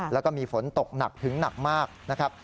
แล้วก็มีฝนตกหนักถึงหนักมากนะครับ